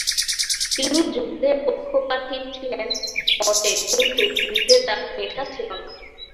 তিনি যুদ্ধের পক্ষপাতী ছিলেন বটে কিন্তু যুদ্ধে তার নেশা ছিল না।